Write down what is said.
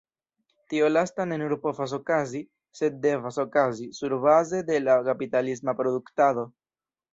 Tio lasta ne nur povas okazi, sed devas okazi, surbaze de la kapitalisma produktado.